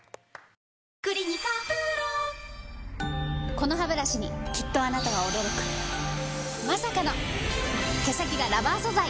このハブラシにきっとあなたは驚くまさかの毛先がラバー素材！